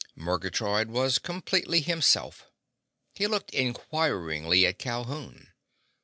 Murgatroyd was completely himself. He looked inquiringly at Calhoun.